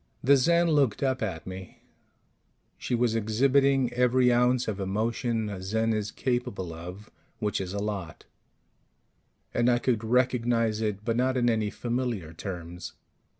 The Zen looked up at me. She was exhibiting every ounce of emotion a Zen is capable of, which is a lot; and I could recognize it, but not in any familiar terms.